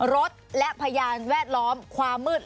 รถและพยานแวดล้อมความมืด